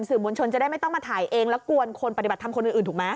มวลชนจะได้ไม่ต้องมาถ่ายเองแล้วกวนคนปฏิบัติธรรมคนอื่นถูกไหม